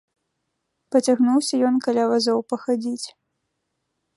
Пацягнуўся ён каля вазоў пахадзіць.